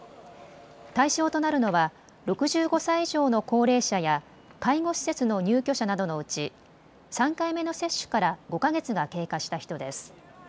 対象となるのは６５歳以上の高齢者や介護施設の入居者などのうち３回目の接種から５か月が経過した人です。